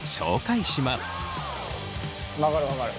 分かる分かる。